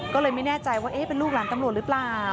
ก็เลยไม่แน่ใจว่าเป็นลูกหลานตำรวจหรือเปล่า